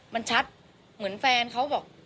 มันชัดเหมือนแฟนเขาบอก